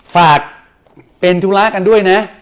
ฝากเป็นธุระกันด้วยนะ